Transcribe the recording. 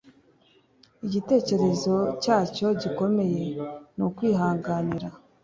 igitekerezo cyacyo gikomeye ni kwihanganira